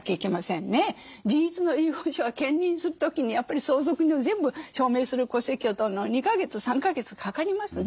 自筆の遺言書は検認する時にやっぱり相続人を全部証明する戸籍を取るのに２か月３か月かかりますね。